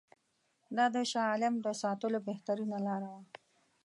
دا د شاه عالم د ساتلو بهترینه لاره وه.